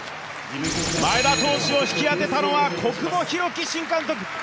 前田投手を引き当てたのは小久保裕紀新監督。